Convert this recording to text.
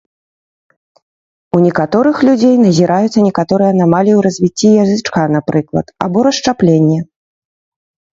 У некаторых людзей назіраюцца некаторыя анамаліі ў развіцці язычка, напрыклад, або расшчапленне.